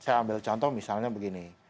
saya ambil contoh misalnya begini